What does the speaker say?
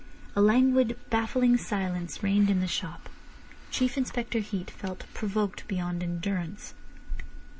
A languid, baffling silence reigned in the shop. Chief Inspector Heat felt provoked beyond endurance.